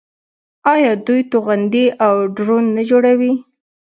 آیا دوی توغندي او ډرون نه جوړوي؟